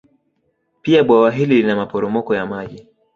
Pia bwawa hili lina maporomoko ya maji